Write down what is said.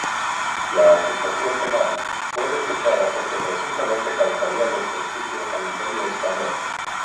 La acusación penal fue desechada porque presuntamente causaría desprestigio al imperio español.